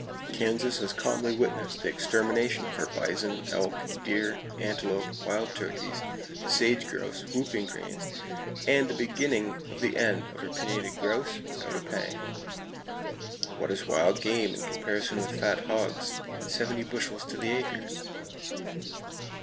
Kansas has calmly witnessed the extermination of her bison, elk, deer, antelope, wild turkeys, sage grouse, whooping cranes, and the beginning of the end of her pinnated grouse, without a pang. What is wild game in comparison with fat hogs, and seventy bushels to the acre!